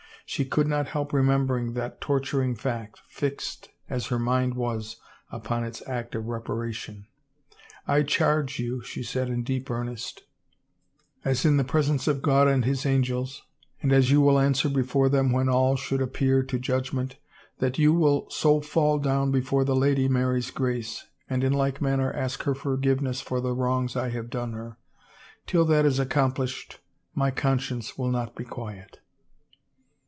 She could not help remembering that torturing fact, fixed as her mind was upon its act of reparation. " I charge you," she said in deep earnest, " as in the presence of God and His angels, and as you will answer before them when all should appear to judgment, that you will so fall down before the Lady Mary's grace, and in like manner ask her forgiveness for the wrongs I have done her. Till that is accomplished my conscience will not be Quiet."